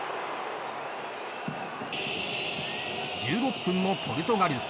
１６分もポルトガル。